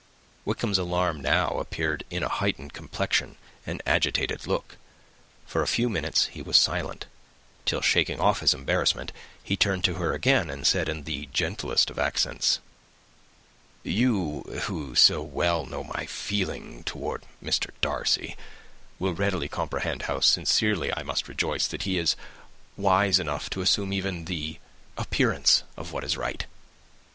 Wickham's alarm now appeared in a heightened complexion and agitated look; for a few minutes he was silent; till, shaking off his embarrassment, he turned to her again, and said in the gentlest of accents, "You, who so well know my feelings towards Mr. Darcy, will readily comprehend how sincerely I must rejoice that he is wise enough to assume even the appearance of what is right.